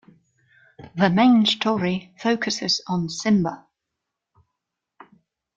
The main story focuses on Simba.